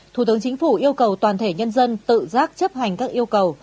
thủ tướng chính phủ yêu cầu toàn thể nhân dân tự giác chấp hành các yêu cầu